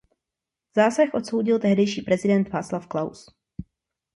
Zásah odsoudil tehdejší prezident Václav Klaus.